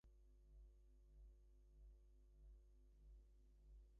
Conditions were very much eased and the convicts were treated humanely.